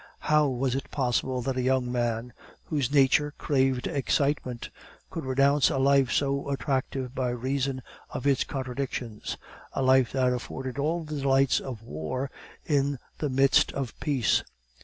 How was it possible that a young man, whose nature craved excitement, could renounce a life so attractive by reason of its contradictions; a life that afforded all the delights of war in the midst of peace?